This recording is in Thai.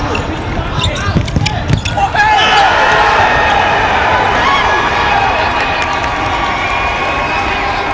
สวัสดีครับทุกคน